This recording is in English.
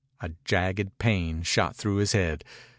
A jagged pain shot through his head.